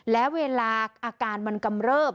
และเวลาอาการมันกำเริบ